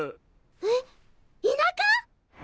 えっ田舎！？